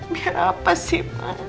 biar apa sih mas